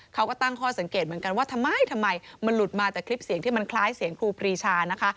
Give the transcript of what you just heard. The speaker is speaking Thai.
เขาก็ตั้งข้อสังเกตเหมือนกันว่าทำไมทำไมมันหลุดมาจากคลิปเสียงที่มันคล้ายเสียงครูปรีชานะคะ